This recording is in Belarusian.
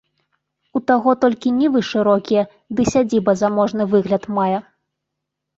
У таго толькі нівы шырокія ды сядзіба заможны выгляд мае.